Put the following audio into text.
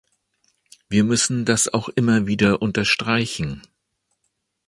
Wir müssen das auch immer wieder unterstreichen.